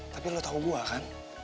tapi lo tahu gue kan